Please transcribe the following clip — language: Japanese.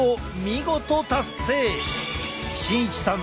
慎一さん